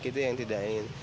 itu yang tidak ingin